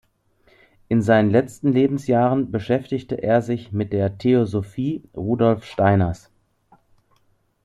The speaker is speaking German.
In seinen letzten Lebensjahren beschäftigte er sich mit der Theosophie Rudolf Steiners.